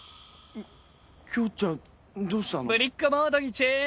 京ちゃんどうしたの？